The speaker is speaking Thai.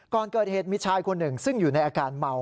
ก่อนเกิดเหตุมีชายคนหนึ่งซึ่งอยู่ในอาการเมา